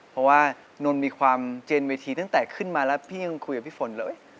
เพราะว่านนท์มีความเจนเวทีตั้งแต่ขึ้นมาแล้วพี่ยังคุยกับพี่ฝนเลย